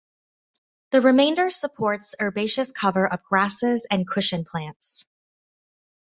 The remainder supports herbaceous cover of grasses and cushion plants.